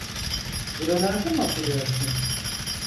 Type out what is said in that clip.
Buralarda mı oturuyorsun?